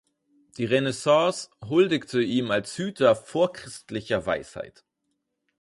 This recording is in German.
Die Renaissance huldigte ihm als Hüter vorchristlicher Weisheit.